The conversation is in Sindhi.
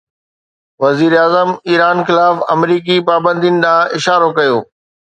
وزيراعظم ايران خلاف آمريڪي پابندين ڏانهن اشارو ڪيو